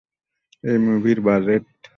এই মুভির বাজেট!